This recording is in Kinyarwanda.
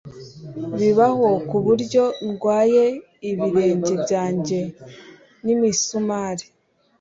Bibaho kuburyo ndwaye ibirenge byanjye nimisumari